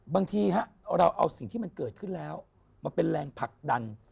บางทีเราเอาสิ่งที่มันเกิดขึ้นแล้วมาเป็นแรงผลักดัน